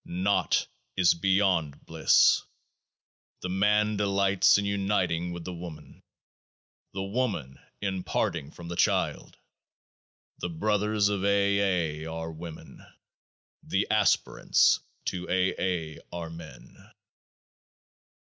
Naught is beyond Bliss. The Man delights in uniting with the Woman ; the Woman in parting from the Child. The Brothers of A. . A.', are Women : the Aspirants to A.'. A.', are Men.